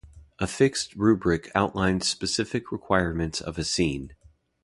A fixed rubric outlines specific requirements of a scene.